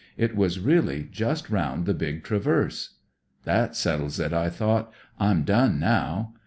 It was really just round the big traverse. *That settles it,' I thought. 'I'm done now.'